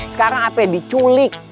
sekarang apa ya diculik